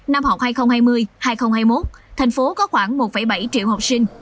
năm học hai nghìn hai mươi hai nghìn hai mươi một thành phố có khoảng một bảy triệu học sinh